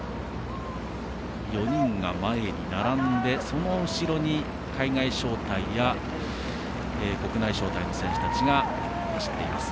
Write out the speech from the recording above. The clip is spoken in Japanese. ４人が前に並んでその後ろに海外招待や国内招待の選手たちが走っています。